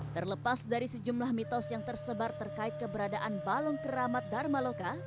terlepas dari sejumlah mitos yang tersebar terkait keberadaan balon keramat dharma loka